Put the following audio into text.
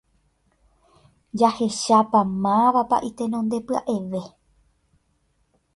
jahechápa mávapa itenondepya'eve